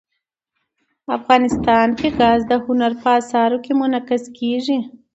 افغانستان کې ګاز د هنر په اثار کې منعکس کېږي.